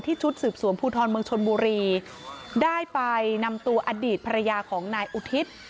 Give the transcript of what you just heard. ชุดสืบสวนภูทรเมืองชนบุรีได้ไปนำตัวอดีตภรรยาของนายอุทิศ